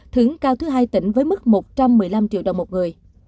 thưởng cao thứ hai tỉnh với mức một trăm một mươi năm triệu đồng một người